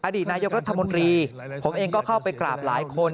อดีตนายกรัฐมนตรีผมเองก็เข้าไปกราบหลายคน